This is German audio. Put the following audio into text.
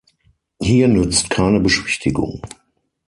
Hier nützt keine Beschwichtigung.